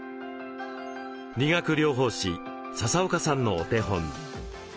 理学療法士笹岡さんのお手本。